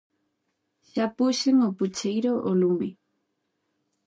Xa puxen o pucheiro ao lume.